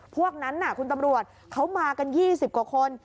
พวกนั้นคุณตำรวจเขามากัน๒๐กว่าคน